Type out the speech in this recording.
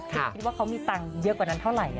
คุณคิดว่าเขามีตังค์เยอะกว่านั้นเท่าไหร่